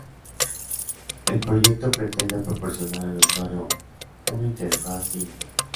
El proyecto pretende proporcionar al usuario una interfaz simple.